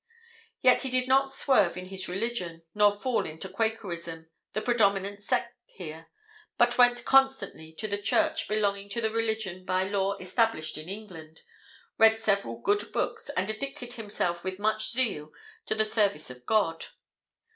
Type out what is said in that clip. Yet he did not swerve in his religion, nor fall into Quakerism, the predominant sect here, but went constantly to the Church belonging to the religion by Law established in England, read several good books, and addicted himself with much zeal to the service of God.